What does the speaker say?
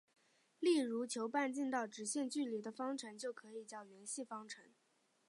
例如求半径到直线距离的方程就可以叫圆系方程。